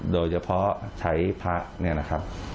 โดยเฉพาะใช้พระเนี่ยนะครับ